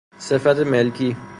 صفت ملکی